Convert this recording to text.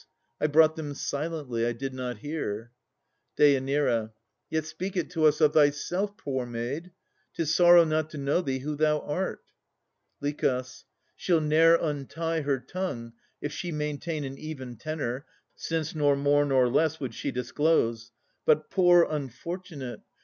I brought them silently. I did not hear. DÊ. Yet speak it to us of thyself, poor maid! 'Tis sorrow not to know thee who thou art. LICH. She'll ne'er untie her tongue, if she maintain An even tenor, since nor more nor less Would she disclose; but, poor unfortunate!